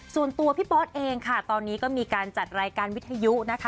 ส่วนตัวพี่ปอสค่ะตอนนี้ก็มีการจัดรายการวิทยุ